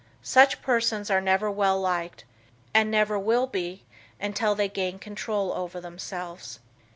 Such persons are never well liked and never will be until they gain control over themselves.